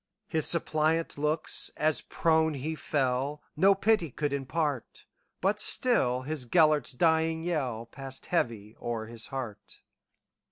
His suppliant looks, as prone he fell, No pity could impart; But still his Gêlert's dying yellPassed heavy o'er his heart.